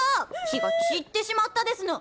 気が散ってしまったですの！